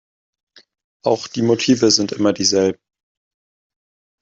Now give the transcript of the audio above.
Auch die Motive sind immer dieselben.